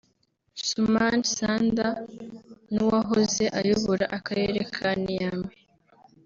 Soumana Sanda n’uwahoze ayobora Akarere ka Niamey